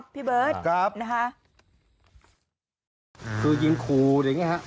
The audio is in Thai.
พี่ทำยังไงฮะ